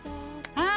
ああ。